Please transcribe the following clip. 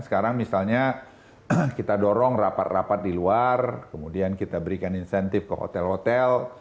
sekarang misalnya kita dorong rapat rapat di luar kemudian kita berikan insentif ke hotel hotel